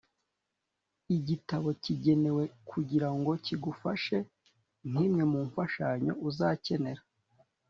Igitabo kigenewe kugira ngo kigufashe nk’imwe mu mfashanyigisho uzakenera.